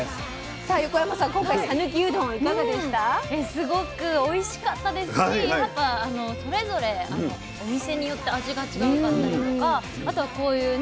すごくおいしかったですしやっぱそれぞれお店によって味がちがうかったりとかあとはこういうね